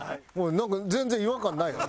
なんか全然違和感ないやろ？